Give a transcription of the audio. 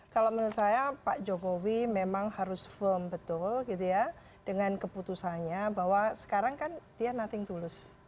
kalau menurut saya pak jokowi memang harus firm betul gitu ya dengan keputusannya bahwa sekarang kan dia nothing to lose